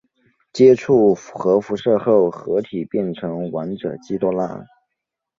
接触核辐射后合体变成王者基多拉。